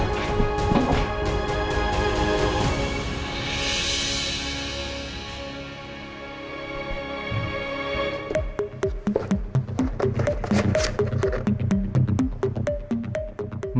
aku mau ke rumah